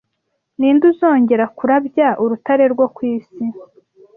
ninde uzongera kurabya urutare rwo ku isi